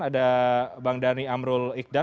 ada bang dhani amrul ikhdan